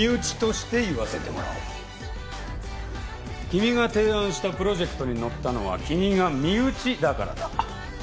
君が提案したプロジェクトに乗ったのは君が身内だからだ。